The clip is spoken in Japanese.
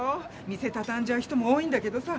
店たたんじゃう人も多いんだけどさ